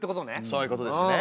そういうことですね。